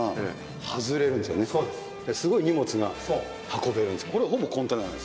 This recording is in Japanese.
すごい荷物が運べるんです